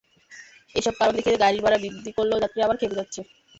এসব কারণ দেখিয়ে গাড়ির ভাড়া বৃদ্ধি করলে যাত্রীরা আবার খেপে যাচ্ছে।